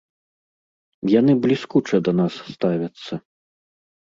Яны бліскуча да нас ставяцца.